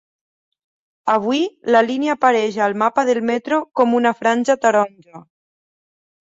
Avui, la línia apareix al mapa del metro com una franja taronja.